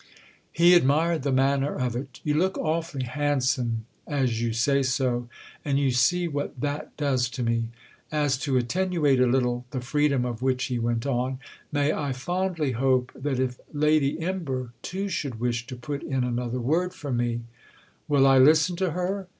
He admired the manner of it "You look awfully handsome as you say so—and you see what that does to me." As to attentuate a little the freedom of which he went on: "May I fondly hope that if Lady Imber too should wish to put in another word for me——?" "Will I listen to her?"